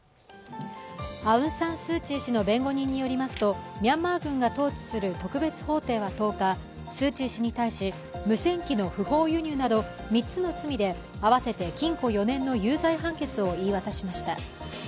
アウン・サン・スー・チー氏の弁護人によりますとミャンマー軍が統治する特別法廷は１０日、スー・チー氏に対し無線機の不法輸入など３つの罪で合わせて禁錮４年の有罪判決を言い渡しました。